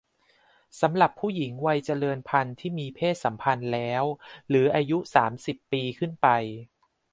สำหรับผู้หญิงวัยเจริญพันธุ์ที่มีเพศสัมพันธ์แล้ว หรืออายุ สามสิบ ปีขึ้นไป